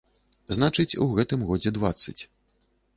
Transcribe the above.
Значыць, у гэтым годзе дваццаць.